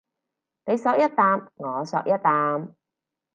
你嗦一啖我嗦一啖